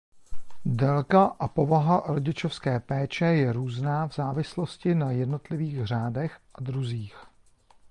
Délka a povaha rodičovské péče je různá v závislosti na jednotlivých řádech a druzích.